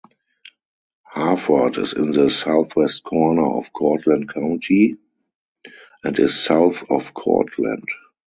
Harford is in the southwest corner of Cortland County and is south of Cortland.